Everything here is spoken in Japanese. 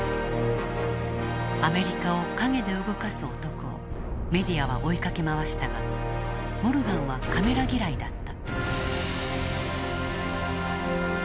アメリカを陰で動かす男をメディアは追いかけ回したがモルガンはカメラ嫌いだった。